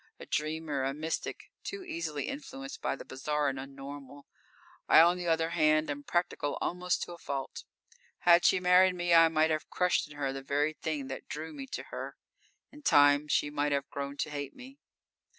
A dreamer, a mystic, too easily influenced by the bizarre and un normal. I, on the other hand, am practical almost to a fault. Had she married me I might have crushed in her the very thing that drew me to her. In time she might have grown to hate me.